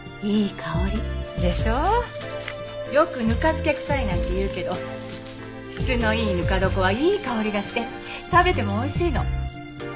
よく「ぬか漬け臭い」なんて言うけど質のいいぬか床はいい香りがして食べてもおいしいの。